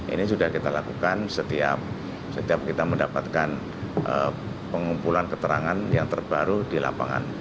ini sudah kita lakukan setiap kita mendapatkan pengumpulan keterangan yang terbaru di lapangan